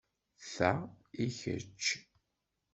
Ta i kečč.